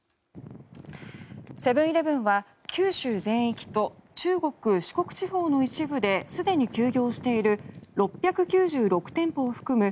セブン−イレブンは九州全域と中国、四国地方の一部ですでに休業している６９６店舗を含む